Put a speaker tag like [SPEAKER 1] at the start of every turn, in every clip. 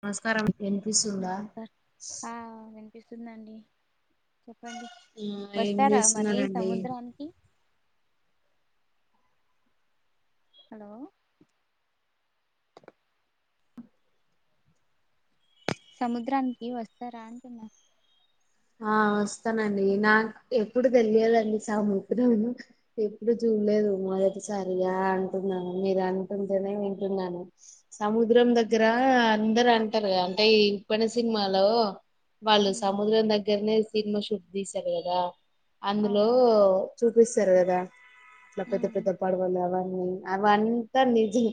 [SPEAKER 1] నమస్కారం ఇనిపిస్తుందా
[SPEAKER 2] ఇపిస్తుందండి చెప్పండి
[SPEAKER 1] ఆ ఏం
[SPEAKER 2] వస్తారా మరి
[SPEAKER 1] చేస్తున్నారండి
[SPEAKER 2] సముద్రానికి హలో సముద్రానికి వస్తారా అంటున్నారు
[SPEAKER 1] ఆ వస్తానండి నాకు ఎప్పుడు తెలియాలండి సముద్రం ఎప్పుడు చూ లేదు మొదటిసరిగా అంటున్నాను మీరు అంటుంటేనే వింటున్నాను సముద్రం దగ్గర అందరు అంటారు అంటే ఉప్పెన సినిమాలో వాళ్ళు
[SPEAKER 2] ఉమ్,
[SPEAKER 1] సముద్రం దగ్గరనే సినిమా షూట్ తీసారు కదా అందులో
[SPEAKER 2] అవునా
[SPEAKER 1] చూపిస్తారు కదా ఇట్లా పెద్ద
[SPEAKER 2] ఉమ్,
[SPEAKER 1] పెద్ద పడవలు అవన్న అవంతా నిజం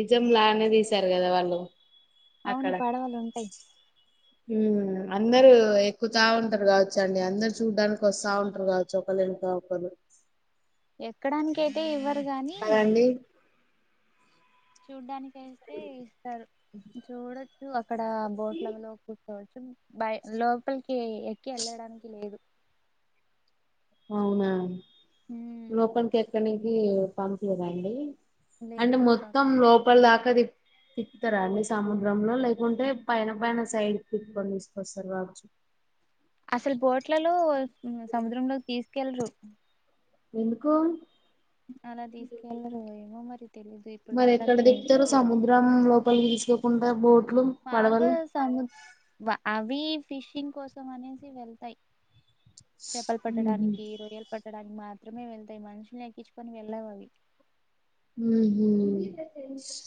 [SPEAKER 1] నిజం లానే తీసారు కదా వాళ్ళు
[SPEAKER 2] అవును
[SPEAKER 1] అక్కడ
[SPEAKER 2] పాడవాలు ఉంటాయి
[SPEAKER 1] అందరూ ఎక్కుతా ఉంటారు కావచ్చు అండి అందరు చూడ్డానికి వస్తా ఉంటారు కావచ్చు ఒక ఒక్కరు తర్వాత ఒక్కరు
[SPEAKER 2] ఎక్కడానినికి అయితే ఇవ్వరు గాని
[SPEAKER 1] కదండి
[SPEAKER 2] చూడ్డానికి వేస్తే ఇస్తారు చూడొచ్చు అక్కడ బోట్లలో చసం బ లోపలికి ఎక్క వెళ్లడానికి లేదు
[SPEAKER 1] అవునా
[SPEAKER 2] ఉమ్,
[SPEAKER 1] లోపలికి ఎక్కనికి పంపిలేదాండి అంటే
[SPEAKER 2] లేదు పా
[SPEAKER 1] మొత్తం లోపల దాకాది తిప్పుతారా అండి సముద్రంలో లేకుంటే పైన పైన సైడ్ తిక్కొని తీసుకొస్తారు రాచ్చు
[SPEAKER 2] అసలు బోట్లలో సముద్రంలోకి తీసుకెళ్లరు
[SPEAKER 1] ఎందుకు
[SPEAKER 2] అలా తీసుకెళ్లరు ఏమో మరి తెలీదు ఇప్పుడు
[SPEAKER 1] మరి
[SPEAKER 2] దాకా
[SPEAKER 1] ఎక్కడ
[SPEAKER 2] అసలు నేను
[SPEAKER 1] తిప్తారు సముద్రం లోపలికి తీసుక కుండా బోర్డ్
[SPEAKER 2] మాములుగా సము వ ఇ ఫిషింగ్ కోసం అనేసి వెళ్తాయి చెప్పలు
[SPEAKER 1] ఊహూ
[SPEAKER 2] పట్టడానికి రొయ్యలు పట్ట డానికి మాత్రమే వెళ్తాయి మనుషుల్ని ఎక్కించుకొని వెళ్ళావు అవి
[SPEAKER 1] ఉహు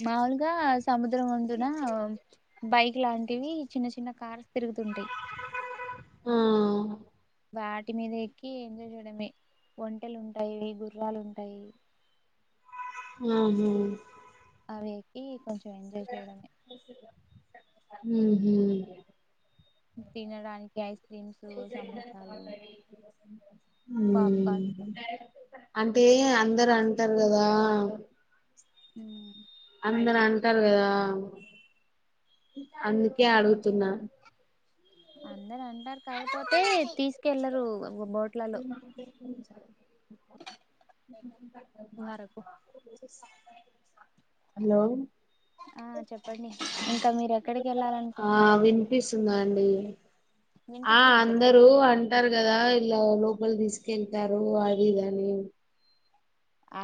[SPEAKER 2] మాములుగా సముద్రం వందున బైక్ లాంటివి చిన్న చిన్న కార్ తిరుగుతూటాయి
[SPEAKER 1] ఆ
[SPEAKER 2] వాటి మీద ఎక్కి ఎంజాయ్ చేయడమే ఒంటెలు ఉంటాయి గుర్రాలు ఉంటాయి
[SPEAKER 1] ఆహ
[SPEAKER 2] అవి ఎక్కి కొంచెం ఎంజాయ్ చేయడమే
[SPEAKER 1] ఉహు
[SPEAKER 2] తినడానికి అయి
[SPEAKER 1] ఉ
[SPEAKER 2] పాప్కార్న్
[SPEAKER 1] అంటే అందరు అంటారు కదా
[SPEAKER 2] హ
[SPEAKER 1] అందరు అంటారు కదా అందుకే అడుగుతున్నా
[SPEAKER 2] అందరు అంటారు కాకపోతే తీసుకెళ్లరు బోట్లలో
[SPEAKER 1] ఆ
[SPEAKER 2] వరకు
[SPEAKER 1] హలో
[SPEAKER 2] ఆ చెప్పండి ఇంకా మీరు ఎక్కడికి
[SPEAKER 1] ఆ
[SPEAKER 2] వెళ్ళాలనుకుంటున్నారు
[SPEAKER 1] వినిపిస్తుందా ఆ
[SPEAKER 2] వినిపిస్తుంది చెప్పండి
[SPEAKER 1] అందరూ అంటారు కదా ఇలా లో ములు తీసుకెళ్తారు అది ఇది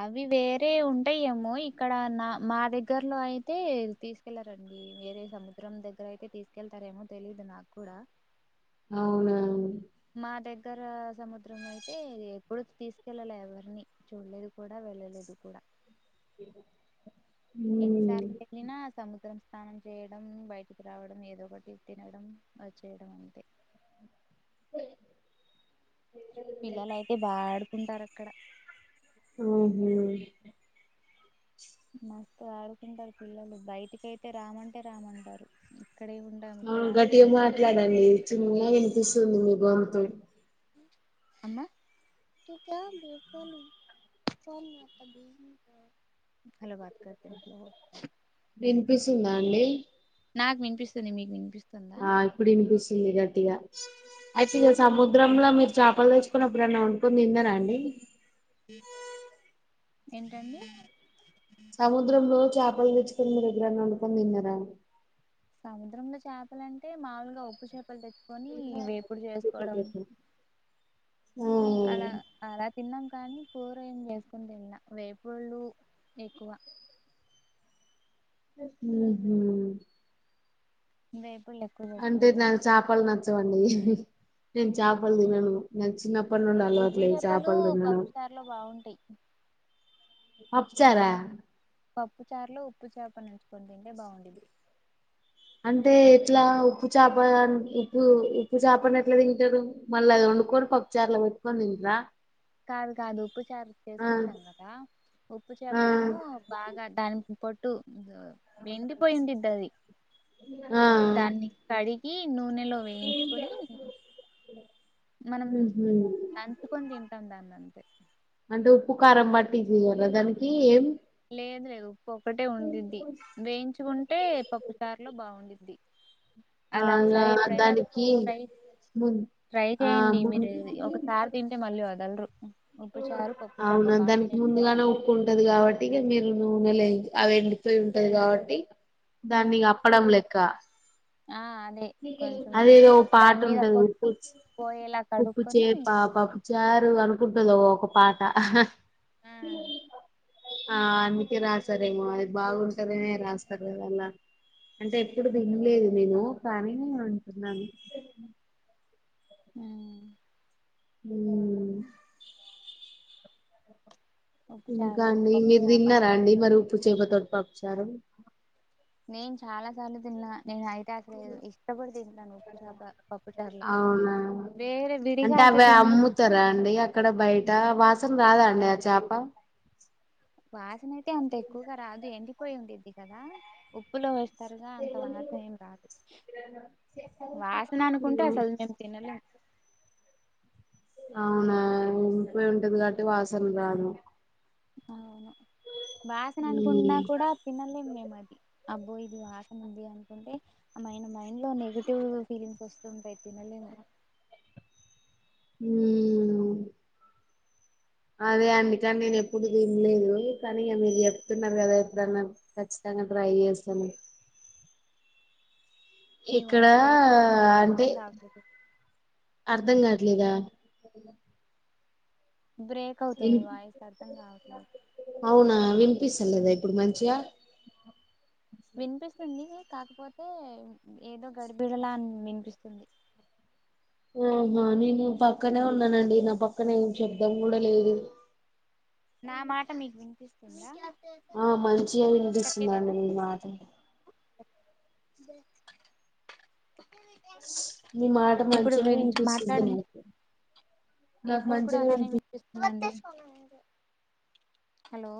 [SPEAKER 2] అవి వేరే ఉంటాయేమో ఇక్కడ నా మా దగ్గర్లో అయితే తీసుకెళ్లరండి అడి వేరే సముద్రం దగ్గర అయితే తీసుకెళ్తారేమో తెలీదు నాకు కూడా
[SPEAKER 1] అవునా
[SPEAKER 2] మాద ఇక్కర సముద్రం అయితే ఎప్పుడు తీసుకెళ్ళాల ఎవరిని చూడలేదు కూడా వెళ్ళలేదు కూడా
[SPEAKER 1] ఉహు
[SPEAKER 2] ఎన్నిసార్లు వెళ్లిన సముద్రం స్నానం చేయడం బయటికి రావడం ఏదో ఒకటి తినడం చేయడం అంతే
[SPEAKER 1] ఆ
[SPEAKER 2] పిల్లలు అయితే బా ఆడుకుంటారు అక్కడ
[SPEAKER 1] ఉహు
[SPEAKER 2] మస్తు ఆడుకుంటారు పిల్లలు బయటికి అయితే రామంటే రామంటారు ఇక్కడే ఉంటాం
[SPEAKER 1] ఆ
[SPEAKER 2] ఇక్కడే
[SPEAKER 1] గట్టిగా
[SPEAKER 2] ఆడుకుంటాం
[SPEAKER 1] మాట్లాడండి చిన్నన్నా వినిపిస్తుంది మీ గొంతు
[SPEAKER 2] అమ్మ హలో బాత్ క
[SPEAKER 1] వినిపిస్తుందా అండి
[SPEAKER 2] నాకు వినిపిస్తుంది మీకు వినిపిస్తుదా
[SPEAKER 1] ఆ ఇప్పుడు వినిపిస్తుంది గట్టిగా అయితే ఇక సముద్రంలో మీరు చ చేపలు తెచ్చుకునీ ఎప్పుడన్నా వండుకుని తిన్నారాండి
[SPEAKER 2] ఏంటండి
[SPEAKER 1] సముద్రంలో చేపలు తెచ్చుకుని మీరు ఎప్పుడన్నా వండుకొని తిన్నారా
[SPEAKER 2] సముద్రంలో చేపలంటే మాములుగా ఉప్పు చేప లు తెచ్చుకొని వేపుడు చేసుకోవడం
[SPEAKER 1] ఆ
[SPEAKER 2] అలా ఆ తిన్నాం కానీ కూర ఏం చేసుకుని తిన్నా వేపుళ్ళు ఎక్కువ.
[SPEAKER 1] ఉహు
[SPEAKER 2] దేవ్
[SPEAKER 1] అంటే నాకు చేపలు నచ్చవండి హిహి నేను
[SPEAKER 2] ఉహు
[SPEAKER 1] చేపలు తినను నా చిన్న కొనుండు అలవాటు
[SPEAKER 2] ఉప్పు
[SPEAKER 1] లేదు చేపలు తినడం
[SPEAKER 2] పప్పుచారులో బాగుంటాయి
[SPEAKER 1] పప్చారా
[SPEAKER 2] పప్పు చార్లో ఉప్పు చేపనించుకొని తింటే బావుండుద్ది.
[SPEAKER 1] అంటే ఎట్లా ఉప్పు చేప ఉప్పు ఉప్పు చేపను ఎట్లా తింటారు? మళ్ళ అది వండుకోని పప్ చార్ల పెట్టుకొని తింటర
[SPEAKER 2] కాదు కాదు ఉప్పు చేప చేసుకుంటాం కదా ఉప్పు చేప
[SPEAKER 1] ఆ
[SPEAKER 2] ఏమో బాగా దాని పోటు వెండిపోయిందిడ్డాది
[SPEAKER 1] ఆ
[SPEAKER 2] దాన్ని కడి ఈ నూనెలో వేయించుకొని మనం
[SPEAKER 1] ఉహు
[SPEAKER 2] నంచుకొని తింటాం దాన్నన్తే
[SPEAKER 1] దు ఉప్పు, కారం బట్టి చేయాలి దానికి ఏం
[SPEAKER 2] లేదు లేదు ఉప్పు ఒక్కటే ఉండిద్ది. వేయించుకుంటే పప్పు చారులో బావుండుద్ధి.
[SPEAKER 1] ఆ
[SPEAKER 2] అలా
[SPEAKER 1] ఇంగా
[SPEAKER 2] ఒకసారి ఎప్పుడైనా
[SPEAKER 1] దానికి
[SPEAKER 2] ఫ్రై
[SPEAKER 1] ము
[SPEAKER 2] ట్రై
[SPEAKER 1] ఆ
[SPEAKER 2] చేయండి
[SPEAKER 1] ము
[SPEAKER 2] మీరు ఇది ఒకసారి తింటే మళ్ళీ వదలరు. ఉప్పు చారు పప్పు చేప
[SPEAKER 1] అవునా దానికి
[SPEAKER 2] కాంబినేషన్
[SPEAKER 1] ముందుగానే ఉప్పు
[SPEAKER 2] బాగుండిద్ది
[SPEAKER 1] ఉంటది కాబట్టి ఇగా మీరు నూనె లే అవి వెళ్ళిపోయి ఉంటది కాబట్టి దాన్ని అప్పడం లేక్క
[SPEAKER 2] ఆ అదే కొంచెం
[SPEAKER 1] అదేదో ఓ పాట
[SPEAKER 2] దాని మీద
[SPEAKER 1] ఉంటది
[SPEAKER 2] పొట్టు
[SPEAKER 1] ఉప్పుచ్
[SPEAKER 2] పోయేలా కడుక్కొని
[SPEAKER 1] ఉప్పుచేపా, పప్పుచారు అను గుడ్డదో ఒక పాట అహ్హ్ ఆ అందుకే రాస్తారేమో అది బాగుంటందనే రాస్తారు లా అంటే ఎప్పుడు దిగలేదు నేను కానీ నేను అంటున్నాను.
[SPEAKER 2] ఆ
[SPEAKER 1] అ ఇంకా
[SPEAKER 2] ఉప్పుచారు
[SPEAKER 1] అండి
[SPEAKER 2] పప్పు
[SPEAKER 1] మీరు
[SPEAKER 2] చాప
[SPEAKER 1] తిన్నారా అండి మరి ఉప్పు చేపతోటి పప్పుచారు?
[SPEAKER 2] నేను చాలా సార్లు తిన్నా నేను అయితే అసలు ఇష్టపడి తింటాను. ఉప్పుచేప పప్పు చార్లో
[SPEAKER 1] అవునా
[SPEAKER 2] వేరే విడిగా
[SPEAKER 1] అంటే
[SPEAKER 2] అయితే
[SPEAKER 1] అవి
[SPEAKER 2] తినను కానీ
[SPEAKER 1] అమ్ముతారా అండి అక్కడ బయట వాసన రాదా అండి ఆ చేప?
[SPEAKER 2] వాసన అయితే అంత ఎక్కువగా రాదు. ఎండిపోయి ఉండిద్ది కదా ఉప్పులో వేస్తే తరగా అంత వాసన ఏం రాదు వాసన అనుకుంటే అసలు మేము తినలేం
[SPEAKER 1] అవునా పోయి ఉంటది కాబట్టి వాసన రాదు
[SPEAKER 2] అవును వాసన అనుకుంటున్నా
[SPEAKER 1] ఉమ్.
[SPEAKER 2] కూడా తినలేం మేము అది అబ్బోయి ఇది వాసన ఉంది అనుకుంటే మన మైండ్ లో నెగిటివ్ ఫీలింగ్స్ వస్తుంటాయ్. తినలేము
[SPEAKER 1] ఉమ్ అదే అండి కానీ నేను ఎప్పుడు తినలేదు కానీ ఇక మీరు చెప్తున్నారు కదా ఎప్పుడన్నా ఖచ్చిత తంగా ట్రై చేస్తను
[SPEAKER 2] మీ
[SPEAKER 1] ఇక్కడ
[SPEAKER 2] వాయిస్ బ్రేక్ అవుతుందండి
[SPEAKER 1] అంటే
[SPEAKER 2] అర్థం కావట్లేదు
[SPEAKER 1] అర్ధం గాట్లేదా?
[SPEAKER 2] బ్రేక్ అవుతుంది వాయిస్ అర్థం కావట్లేదు
[SPEAKER 1] అపిస్తలేదా ఇప్పుడు మంచిగా
[SPEAKER 2] వినిపిస్తుంది కాకపోతే ఏదో గడిబిడలా అని వినిపిస్తుంది
[SPEAKER 1] ఆహ నేను పక్కనే ఉన్నానండి నా పక్కనే ఏం శబ్దం కూడా లేదు
[SPEAKER 2] నా మాట మీ వినిపి
[SPEAKER 1] ఆ మంచిగా వినిపిస్తుందండి మీ మాట
[SPEAKER 2] బ
[SPEAKER 1] మీ మాట మంచినే మీను ఇస్తుంది
[SPEAKER 2] మాట్లాడండి
[SPEAKER 1] నేకు
[SPEAKER 2] ఇప్పుడు కూడా అలానే వినిపిస్తుందిండి హలో